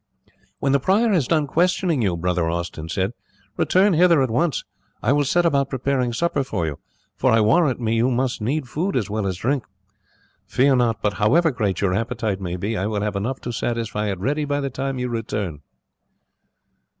"When the prior has done questioning you," brother Austin said, "return hither at once. I will set about preparing supper for you, for I warrant me you must need food as well as drink. Fear not but, however great your appetite may be, I will have enough to satisfy it ready by the time you return."